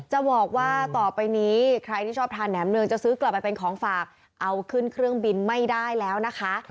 จะบอกว่าต่อไปนี้ใครที่ชอบทานแหมเนืองจะซื้อกลับไปเป็นของฝากเอาขึ้นเครื่องบินไม่ได้แล้วนะคะ